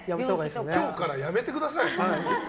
今日からやめてください。